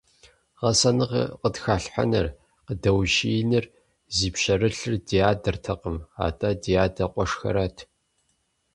Гъэсэныгъэ къытхэлъхьэныр, къыдэущиеныр зи пщэрылъыр ди адэратэкъым, атӀэ ди адэ къуэшхэрат.